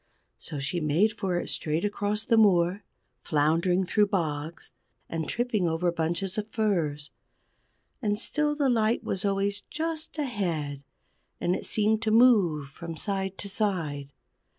So she made for it straight across the moor, floundering through bogs, and tripping over bunches of furze. And still the light was always just ahead, and it seemed to move from side to side.